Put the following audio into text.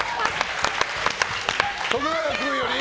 徳永君より。